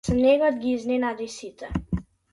Снегот ги изненади сите.